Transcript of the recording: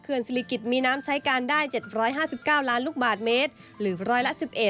ศิริกิจมีน้ำใช้การได้๗๕๙ล้านลูกบาทเมตรหรือร้อยละ๑๑